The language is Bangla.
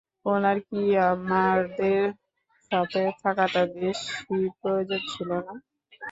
উনার কি আমাদের সাথে থাকাটা বেশি প্রয়োজন ছিল না?